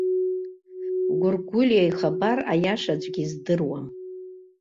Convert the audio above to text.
Гәыргәлиа ихабар аиаша аӡәгьы издыруам.